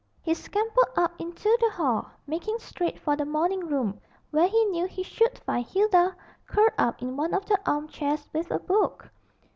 He scampered up into the hall, making straight for the morning room, where he knew he should find Hilda curled up in one of the arm chairs with a book.